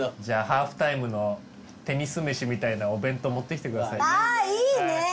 じゃあハーフタイムのテニス飯みたいなお弁当持ってきてくださいね。